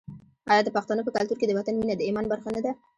آیا د پښتنو په کلتور کې د وطن مینه د ایمان برخه نه ده؟